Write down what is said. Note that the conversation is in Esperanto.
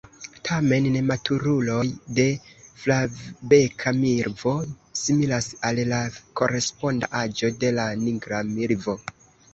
Tamen nematuruloj de Flavbeka milvo similas al la koresponda aĝo de la Nigra milvo.